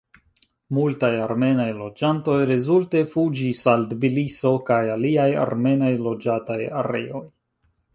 Multaj armenaj loĝantoj rezulte fuĝis al Tbiliso kaj aliaj armenaj loĝataj areoj.